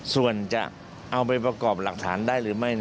ส่วนจะเอาไปประกอบหลักฐานได้หรือไม่